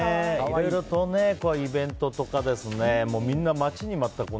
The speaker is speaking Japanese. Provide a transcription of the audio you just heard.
いろいろとイベントとかみんな待ちに待った。